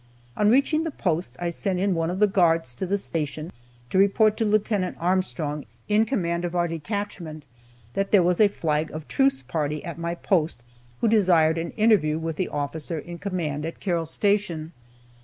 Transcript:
On reaching the post, I sent in one of the guards to the station to report to Lieut. Armstrong, in command of our detachment, that there was a flag of truce party at my post who desired an interview with the officer in command at Carroll Station.